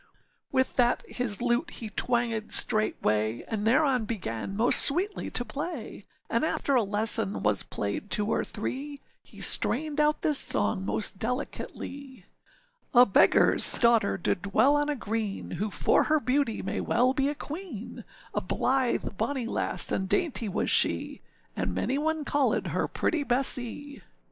â With that his lute he twangèd straightway, And thereon began most sweetly to play, And after a lesson was played two or three, He strained out this song most delicately:â âA beggarâs daughter did dwell on a green, Who for her beauty may well be a queen, A blithe bonny lass, and dainty was she, And many one callèd her pretty Bessee.